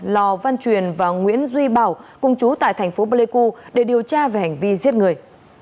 lò văn truyền và nguyễn duy bảo cùng chú tại thành phố pleiku để điều tra về hành vi giết người